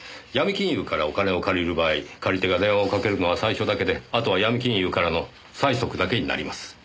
ヤミ金融からお金を借りる場合借り手が電話をかけるのは最初だけであとはヤミ金融からの催促だけになります。